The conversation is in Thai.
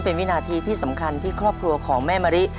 เป็นวินาทีที่สำคัญที่ครอบครัวของแม่มะริ